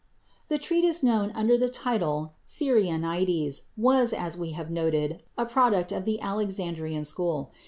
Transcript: ] The treatise known under the title "Cyrianides" was, as we have noted, a product of the Alexandrian school.